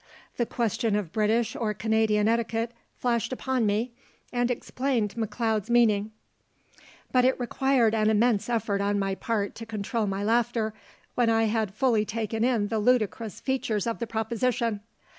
The question of British or Canadian etiquette flashed upon me, and explained McLeod's meaning; but it required an immense effort on my part to control my laughter, when I had fully taken in the ludicrous features of the proposition.